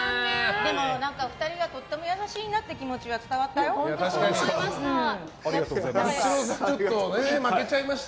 でも、２人がとっても優しいなって気持ちは本当そう思いました。